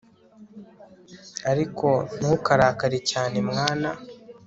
ariko ntukarakare cyane mwana